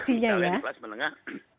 misalnya di kelas menengah